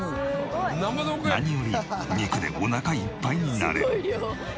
何より肉でおなかいっぱいになれる。